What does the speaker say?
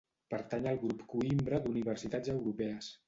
Pertany al Grup Coïmbra d'universitats europees.